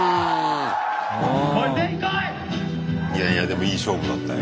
いやいやでもいい勝負だったよ。